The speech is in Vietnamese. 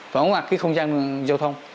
và hóa mặt cái không gian giao thông